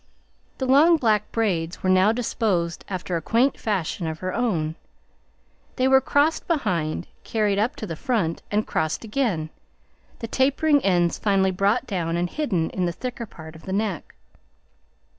The long black braids were now disposed after a quaint fashion of her own. They were crossed behind, carried up to the front, and crossed again, the tapering ends finally brought down and hidden in the thicker part at the neck.